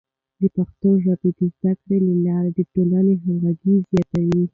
د پښتو ژبې د زده کړې له لارې د ټولنې همغږي زیاتوي.